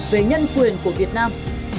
về nhân quyền của việt nam